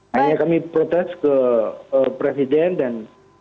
hanya kami protes ke presiden dan